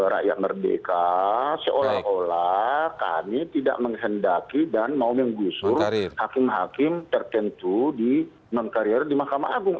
rakyat merdeka seolah olah kami tidak menghendaki dan mau menggusur hakim hakim tertentu di non karier di mahkamah agung